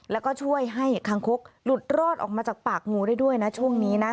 แล้วก็ช่วยให้คางคกหลุดรอดออกมาจากปากงูได้ด้วยนะช่วงนี้นะ